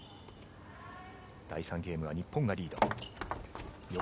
第３ゲームは日本がリード。